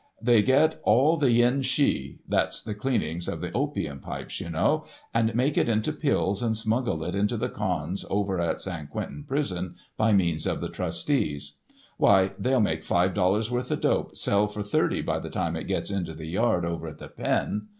They get all the yen shee—that's the cleanings of the opium pipes, you know, and make it into pills and smuggle it into the cons over at San Quentin prison by means of the trusties. Why, they'll make five dollars worth of dope sell for thirty by the time it gets into the yard over at the Pen.